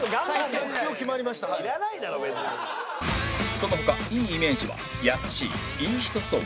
その他いいイメージは「優しい・いい人そう」